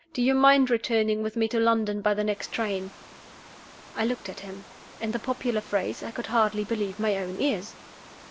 "Do you mind returning with me to London by the next train?" I looked at him. In the popular phrase, I could hardly believe my own ears.